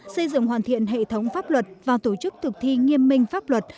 xây dựng hoàn thiện hệ thống pháp luật và tổ chức thực thi nghiêm minh pháp luật